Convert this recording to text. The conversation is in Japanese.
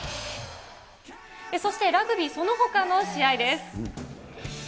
そしてラグビー、そのほかの試合です。